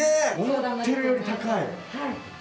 思ってるより高い。